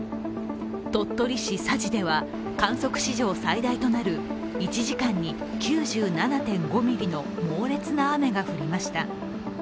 鳥取市佐治では観測史上最大となる１時間に９７．５ミリの猛烈な雨が降りました。